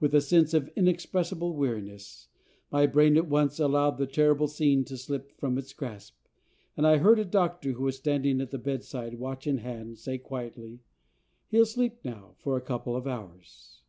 With a sense of inexpressible weariness, my brain at once allowed the terrible scene to slip from its grasp, and I heard a doctor, who was standing at the bedside watch in hand, say, quietly, "He'll sleep now for a couple of hours."